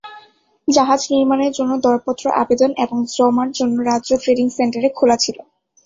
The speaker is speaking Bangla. জাহাজ নির্মাণের জন্য দরপত্র আবেদন এবং জমার জন্য রাজ্য ট্রেডিং সেন্টারে খোলা ছিল।